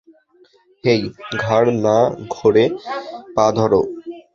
হেই, ঘাড় না ধরে, পা ধর।